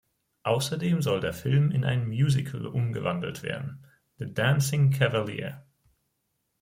Außerdem soll der Film in ein Musical umgewandelt werden: "The Dancing Cavalier".